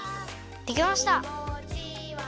できました！